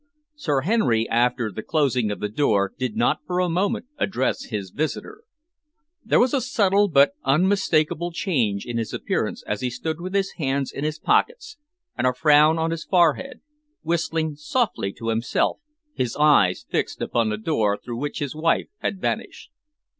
Sir Henry, after the closing of the door, did not for a moment address his visitor. There was a subtle but unmistakable change in his appearance as he stood with his hands in his pockets, and a frown on his forehead, whistling softly to himself, his eyes fixed upon the door through which his wife had vanished.